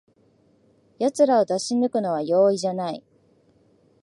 やつらを出し抜くのは容易じゃない